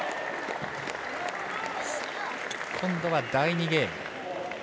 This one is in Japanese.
今度は第２ゲーム。